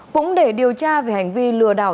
cũng để điều tra về hành vi lừa đảo